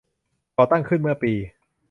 ก่อตั้งขึ้นเมื่อปี